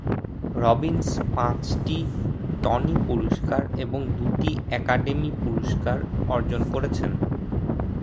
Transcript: Robbins পাঁচটি Tony পুরস্কার এবং দুটি একাডেমি পুরস্কার অর্জন করেছেন।